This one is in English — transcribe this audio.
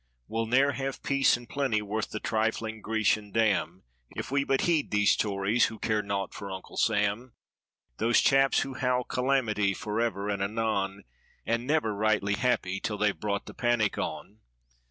We'll ne'er have peace and plenty worth the trifling Grecian dam. If we but heed these "tories" who care naught for Uncle Sam; Those chaps who howl "calamity" forever and anon. And never rightly happy 'till they've brought the panic on.